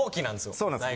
そうなんですよ。